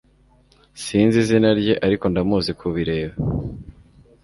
Sinzi izina rye ariko ndamuzi kubireba